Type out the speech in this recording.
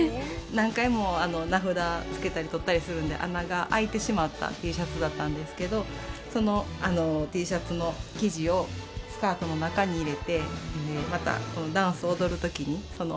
何回も名札つけたりとったりするんで穴があいてしまったＴシャツだったんですけどそのＴシャツの生地をスカートの中に入れてまたこのダンス踊る時にその思い出も一緒に踊ってもらえたらなと思って。